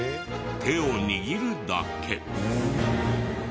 手を握るだけ。